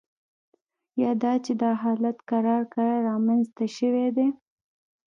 یا دا چې دا حالت کرار کرار رامینځته شوی دی